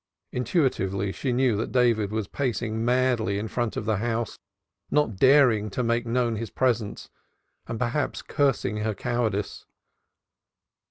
Intuitively she knew that David was pacing madly in front of the house, not daring to make known his presence, and perhaps cursing her cowardice.